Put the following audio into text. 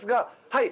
はい。